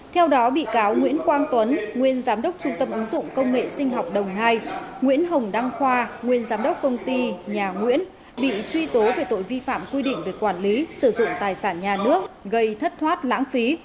theo đó bị cáo nguyễn quang tuấn nguyên giám đốc trung tâm ứng dụng công nghệ sinh học đồng hai nguyễn hồng đăng khoa nguyên giám đốc công ty nhà nguyễn bị truy tố về tội vi phạm quy định về quản lý sử dụng tài sản nhà nước gây thất thoát lãng phí